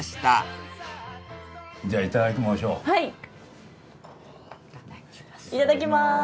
はい。